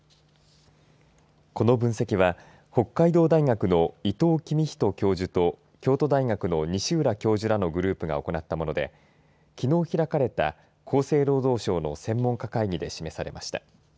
この分析は北海道大学の伊藤公人教授と京都大学の西浦教授らのグループが行ったものできのう開かれた厚生労働省の専門家会議で示されました。